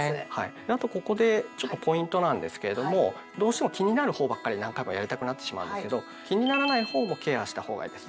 あとここでちょっとポイントなんですけれどもどうしても気になるほうばっかり何回もやりたくなってしまうんですけど気にならないほうもケアしたほうがいいです。